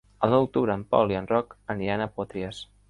El nou d'octubre en Pol i en Roc aniran a Potries.